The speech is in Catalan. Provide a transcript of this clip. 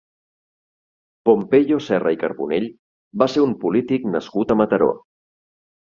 Pompeyo Serra i Carbonell va ser un polític nascut a Mataró.